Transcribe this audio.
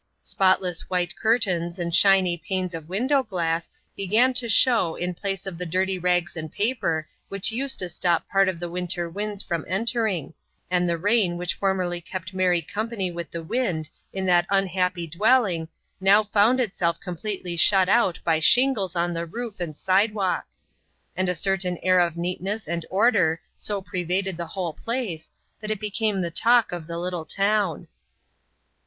Spotless white curtains and shiny panes of window glass began to show in place of the dirty rags and paper which used to stop part of the winter winds from entering, and the rain which formerly kept merry company with the wind in that unhappy dwelling now found itself completely shut out by shingles on the roof and sidewalk; and a certain air of neatness and order so pervaded the whole place that it became the talk of the little town.